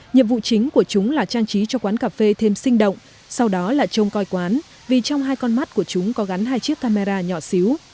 nhiệm vụ chính của chúng là trang trí cho quán cà phê thêm sinh động sau đó là trông coi quán vì trong hai con mắt của chúng có gắn hai chiếc camera nhỏ xíu